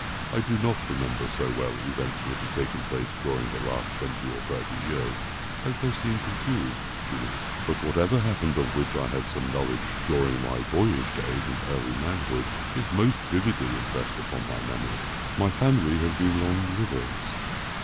I do not remember so well events that have taken place during the last twenty or thirty years, as they seem confused to me; but whatever happened of which I had some knowledge during my boyish days and early manhood, is most vividly impressed upon my memory. My family have been long livers.